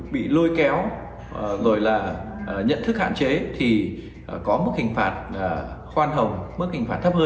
bị lôi kéo rồi là nhận thức hạn chế thì có mức hình phạt khoan hồng mức hình phạt thấp hơn